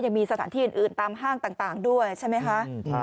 ยังมีสถานที่อื่นตามห้างต่างด้วยใช่ไหมคะ